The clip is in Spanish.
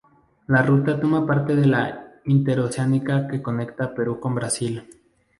La ruta forma parte de la interoceánica que conecta Perú con Brasil.